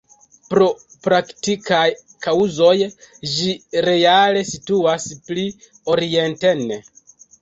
Pro praktikaj kaŭzoj ĝi reale situas pli orienten.